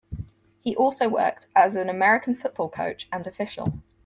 He also worked as an American football coach and official.